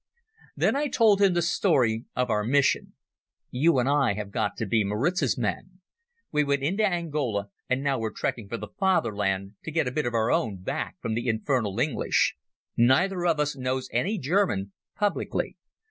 Then I told him the story of our mission. "You and I have got to be Maritz's men. We went into Angola, and now we're trekking for the Fatherland to get a bit of our own back from the infernal English. Neither of us knows any German—publicly.